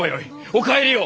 お帰りを。